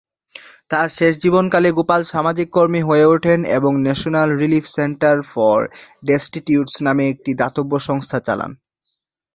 তারপর শেষ জীবনকালে, গোপাল সামাজিক কর্মী হয়ে ওঠেন এবং "national relief centre for destitutes" নামে একটি দাতব্য সংস্থা চালান।